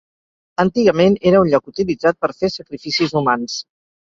Antigament era un lloc utilitzat per fer sacrificis humans.